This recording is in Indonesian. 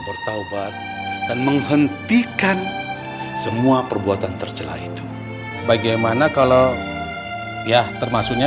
bertaubat dan menghentikan semua perbuatan tercelah itu bagaimana kalau ya termasuknya